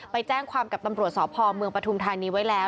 ไปแจ้งความกับตำรวจสพเมืองปฐุมธานีไว้แล้ว